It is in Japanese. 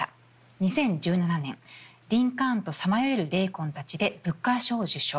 ２０１７年「リンカーンとさまよえる霊魂たち」でブッカー賞受賞。